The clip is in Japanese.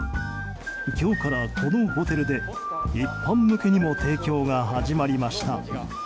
今日から、このホテルで一般向けにも提供が始まりました。